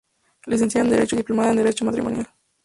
Licenciada en Derecho y diplomada en Derecho Matrimonial.